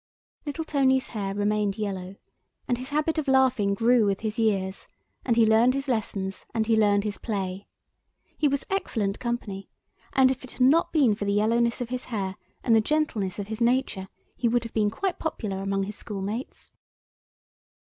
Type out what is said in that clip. Little Tony's hair remained yellow, and his habit of laughing grew with his years, and he learned his lessons and he learned his play. He was excellent company, and if it had not been for the yellowness of his hair and the gentleness of his nature, he would have been quite popular among his schoolmates.